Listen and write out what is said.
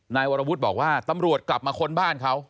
นายวรวุฒิบอกว่าตำรวจกลับมาค้นบ้านเขา